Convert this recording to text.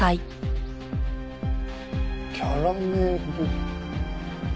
キャラメル？